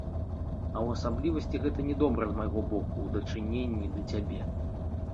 І ў асаблівасці гэта не добра з майго боку ў дачыненні да цябе.